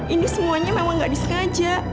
ini semuanya memang gak disengaja